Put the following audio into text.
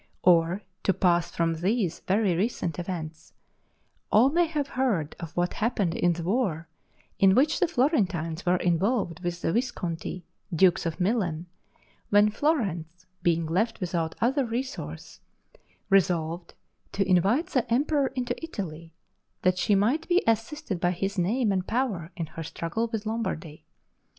Or, to pass from these very recent events, all may have heard of what happened in the war in which the Florentines were involved with the Visconti, dukes of Milan, when Florence, being left without other resource, resolved to invite the emperor into Italy, that she might be assisted by his name and power in her struggle with Lombardy.